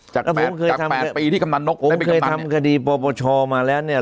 จาก๘ปีที่กำหนังนกได้ไปกำหนังเนี่ยผมเคยทำคดีปวชมาแล้วเนี่ย